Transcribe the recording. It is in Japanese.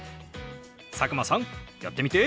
佐久間さんやってみて！